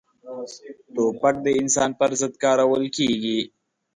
توپک د انسان پر ضد کارول کېږي.